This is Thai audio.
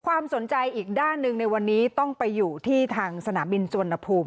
ความสนใจอีกด้านหนึ่งในวันนี้ต้องไปอยู่ที่ทางสนามบินสุวรรณภูมิ